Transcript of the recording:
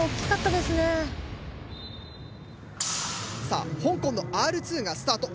さぁ香港のＲ２がスタート。